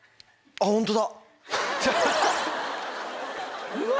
あぁホントだ。